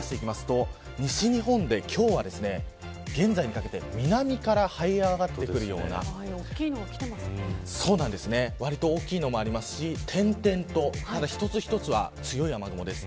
西日本で今日は現在にかけて南からはい上がってくるようなわりと大きいのもありますし点々と一つ一つは強い雨雲です。